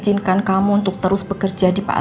ini omana dari papa